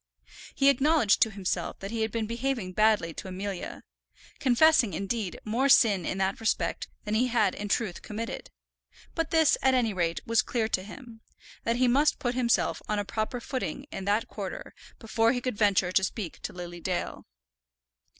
He acknowledged to himself that he had been behaving badly to Amelia, confessing, indeed, more sin in that respect than he had in truth committed; but this, at any rate, was clear to him, that he must put himself on a proper footing in that quarter before he could venture to speak to Lily Dale.